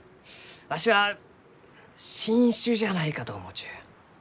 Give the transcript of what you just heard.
わしは新種じゃないかと思うちゅう。